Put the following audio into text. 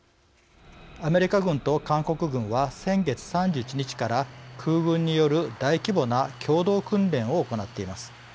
アメリカ軍と韓国軍は先月３１日から空軍による大規模な共同訓練を行っています。